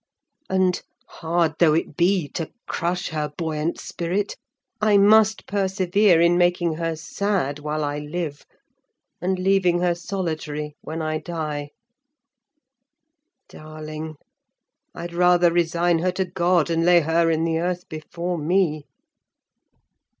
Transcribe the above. And, hard though it be to crush her buoyant spirit, I must persevere in making her sad while I live, and leaving her solitary when I die. Darling! I'd rather resign her to God, and lay her in the earth before me."